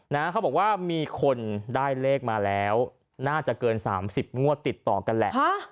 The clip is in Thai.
เขาบอกว่ามีคนได้เลขมาแล้วน่าจะเกินสามสิบงวดติดต่อกันแหละ